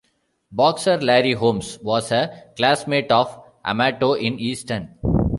Boxer Larry Holmes was a classmate of Amato in Easton.